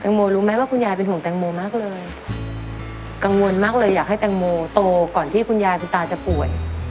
โมรู้ไหมว่าคุณยายเป็นห่วงแตงโมมากเลยกังวลมากเลยอยากให้แตงโมโตก่อนที่คุณยายคุณตาจะป่วย